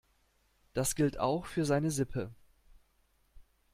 Das gilt auch für seine Sippe.